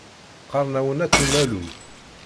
Qqaṛen-awen At Umalu.